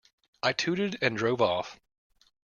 I tooted and drove off.